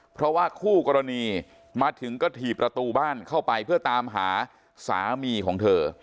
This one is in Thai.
เพราะว่าคู่กรณีมาถึงก็ถี่ประตูบ้านเข้าไปเพื่อตามหาสามีของเธอ